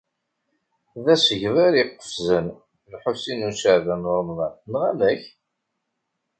D asegbar iqefzen, Lḥusin n Caɛban u Ṛemḍan: neɣ amek?